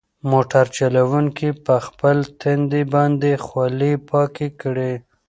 موټر چلونکي په خپل تندي باندې خولې پاکې کړې.